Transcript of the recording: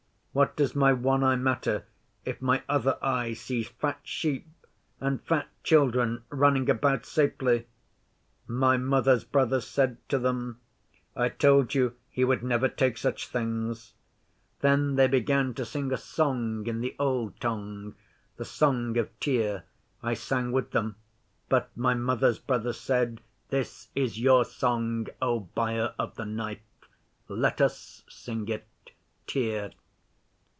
What does my one eye matter if my other eye sees fat sheep and fat children running about safely?" My Mother's brother said to them, "I told you he would never take such things." Then they began to sing a song in the Old Tongue The Song of Tyr. I sang with them, but my Mother's brother said, "This is your song, O Buyer of the Knife. Let us sing it, Tyr."